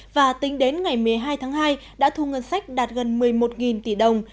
và tính đến ngày một mươi hai tháng hai đã thu ngân sách đạt gần một mươi một tỷ đồng